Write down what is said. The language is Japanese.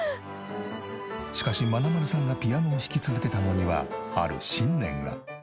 しかしまなまるさんがピアノを弾き続けたのにはある信念が。